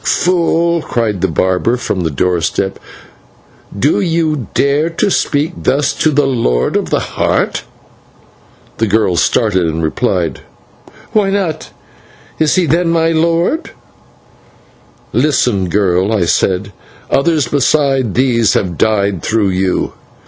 "Fool!" cried the barber from the doorstep; "do you dare to speak thus to the Lord of the Heart?" The girl started and replied: "Why not? Is he then my lord?" "Listen, girl!" I said; "others besides these have died through you."